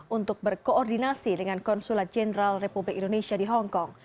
untuk berkoordinasi dengan konsulat jenderal republik indonesia di hongkong